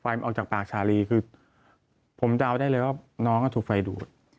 ออกจากปากชาลีคือผมเดาได้เลยว่าน้องถูกไฟดูด